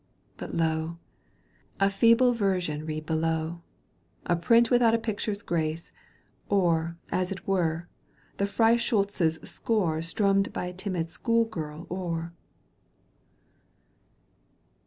But lo ! A feeble version read below, A print without the picture's grace, Or, as it were, the Freischiitz' score •Strummed by a timid schoolgirl o'er.